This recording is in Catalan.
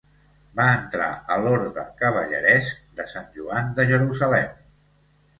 Va entrar a l'Orde cavalleresc de Sant Joan de Jerusalem.